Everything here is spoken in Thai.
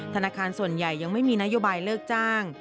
ธนาคารส่วนใหญ่ยังไม่มีนโยบายเลิกจ้าง